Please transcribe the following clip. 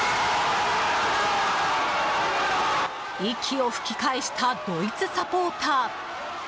息を吹き返したドイツサポーター。